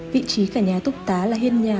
vị trí cả nhà túc tá là hiên nhà